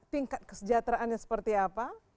tingkat kesejahteraannya seperti apa